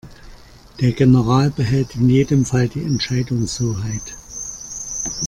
Der General behält in jedem Fall die Entscheidungshoheit.